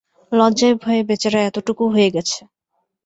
লজ্জায় ভয়ে বেচারা এতটুকু হয়ে গেছে।